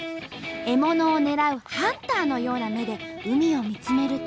獲物を狙うハンターのような目で海を見つめると。